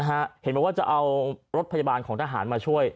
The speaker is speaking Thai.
เห็นบอกว่าจะเอารถพยาบาลของทหารมาช่วย